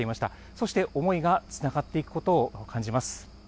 そして思いがつながっていくことを感じます。